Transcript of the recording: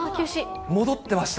戻ってました。